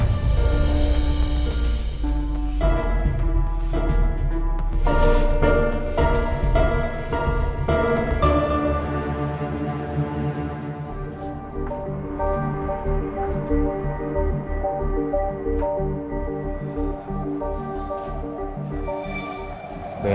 gak ada buktinya